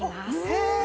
へえ！